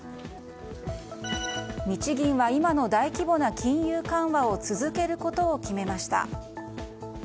日銀は、今の大規模な金融緩和を続けることを決めました。